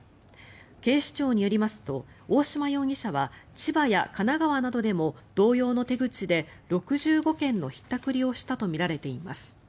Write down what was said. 警視庁によりますと大島容疑者は千葉や神奈川などでも同様の手口で６５件のひったくりをしたとみられています。